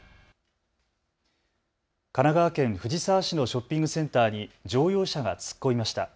神奈川県藤沢市のショッピングセンターに乗用車が突っ込みました。